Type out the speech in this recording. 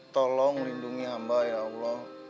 tolong lindungi hamba ya allah